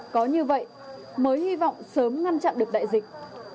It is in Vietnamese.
có như vậy mới hy vọng sớm ngăn chặn được đại dịch